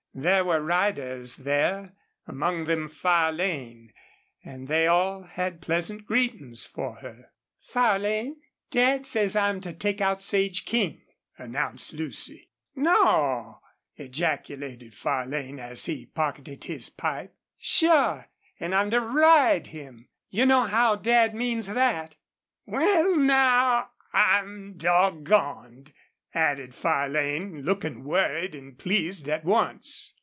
There were riders there, among them Farlane, and they all had pleasant greetings for her. "Farlane, Dad says I'm to take out Sage King," announced Lucy. "No!" ejaculated Farlane, as he pocketed his pipe. "Sure. And I'm to RIDE him. You know how Dad means that." "Wal, now, I'm doggoned!" added Farlane, looking worried and pleased at once.